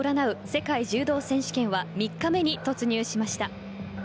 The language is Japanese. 世界柔道選手権は３日目に突入しました。